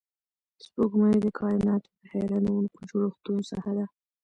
سپوږمۍ د کایناتو د حیرانونکو جوړښتونو څخه ده